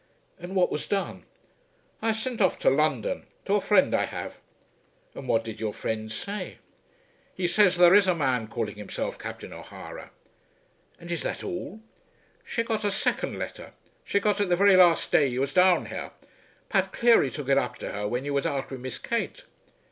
"And what was done?" "I sent off to London, to a friend I have." "And what did your friend say?" "He says there is a man calling himself Captain O'Hara." "And is that all?" "She got a second letter. She got it the very last day you was down here. Pat Cleary took it up to her when you was out wid Miss Kate."